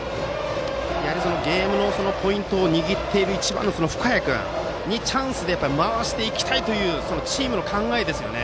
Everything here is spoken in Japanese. ゲームのポイントを握っている１番の深谷君にチャンスで回していきたいというそのチームの考えですよね。